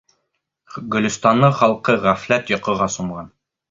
Гөлөстандың халҡы ғәфләт йоҡоға сумған.